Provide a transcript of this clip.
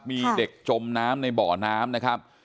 มีเด็กจมน้ำในบ่อน้ำนะครับ